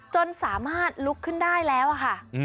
จนสามารถลุกขึ้นได้แล้วค่ะ